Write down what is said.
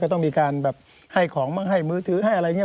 ก็ต้องมีการให้ของมื้อทือได้อะไรอย่างนี้